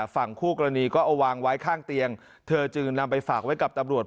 ฝั่งคู่กรณีก็เอาวางไว้ข้างเตียงเธอจึงนำไปฝากไว้กับตำรวจ